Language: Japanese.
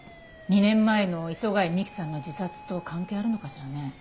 ２年前の磯貝美希さんの自殺と関係あるのかしらね。